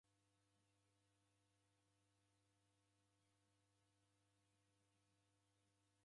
Mlindiri wape oshitakilwa kwa kuendelwa mbio.